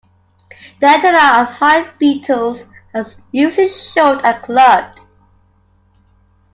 The antenna of hide beetles are usually short and clubbed.